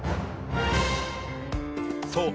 そう。